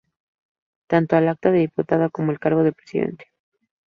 Tanto al acta de diputada como al cargo de presidente.